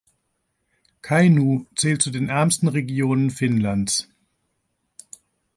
Kainuu zählt zu den ärmsten Regionen Finnlands.